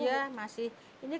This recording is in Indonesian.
ibu ini masih sakit ya ibu